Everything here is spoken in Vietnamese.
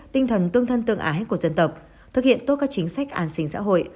tinh thần tương thân tương ái của dân tộc thực hiện tốt các chính sách an sinh xã hội